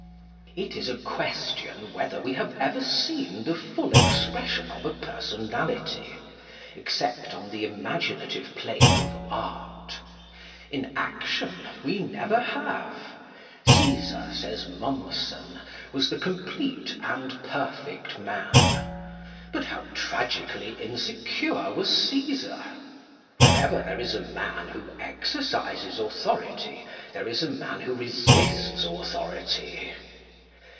It is a question whether we have ever seen the full expression of a personality, except on the imaginative plane of art. In action, we never have. Cæsar, says Mommsen, was the complete and perfect man. But how tragically insecure was Cæsar! Wherever there is a man who exercises authority, there is a man who resists authority.